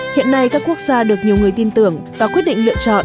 hiện nay các quốc gia được nhiều người tin tưởng và quyết định lựa chọn